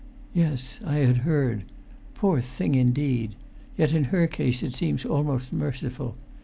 "Yes, I had heard. Poor thing, indeed! Yet in her case it seems almost merciful.